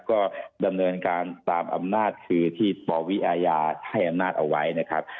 ก็ดำเนินการตามอำนาจคือที่ปวิอาญาให้อำนาจเอาไว้นะครับ